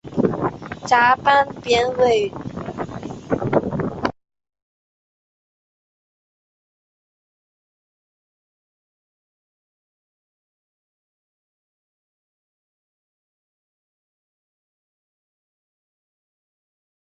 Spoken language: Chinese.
南行总站列车利用第四大道以西的转辙器进入南行快车轨道。